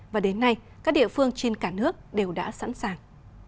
và đến nay các địa phương trên cả nước đều đã sẵn sàng